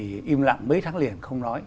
thì im lặng mấy tháng liền không nói